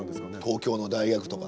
東京の大学とか。